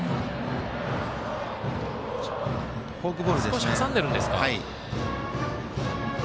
少し挟んでるんですね。